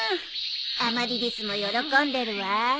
アマリリスも喜んでるわ。